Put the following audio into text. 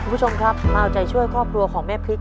คุณผู้ชมครับมาเอาใจช่วยครอบครัวของแม่พริก